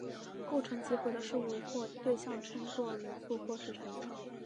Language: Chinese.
构成集合的事物或对象称作元素或是成员。